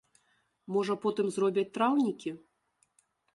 Можа, потым зробяць траўнікі?